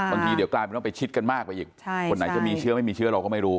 บางทีเดี๋ยวกลายเป็นว่าไปชิดกันมากไปอีกคนไหนจะมีเชื้อไม่มีเชื้อเราก็ไม่รู้